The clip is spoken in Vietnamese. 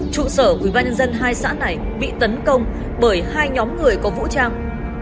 trụ sở quý văn nhân dân hai xã này bị tấn công bởi hai nhóm người có vũ trang